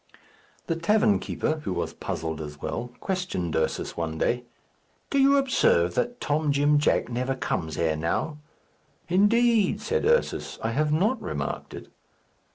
The tavern keeper, who was puzzled as well, questioned Ursus one day. "Do you observe that Tom Jim Jack never comes here now!" "Indeed!" said Ursus. "I have not remarked it."